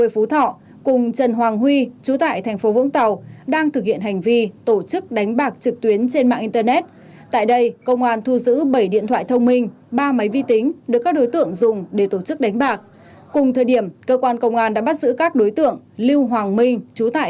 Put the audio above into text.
lưu hoàng minh chú tại thành phố vũng tàu và trương thị thắm gần năm nghìn đô la mỹ và các tàng vật liên quan